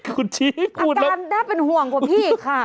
คุณชิพูดแล้วอาการน่าเป็นห่วงกว่าพี่ค่ะ